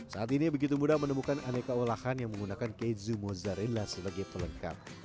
saat ini begitu mudah menemukan aneka olahan yang menggunakan keju mozzarella sebagai pelengkap